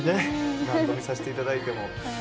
何度見させていただいても。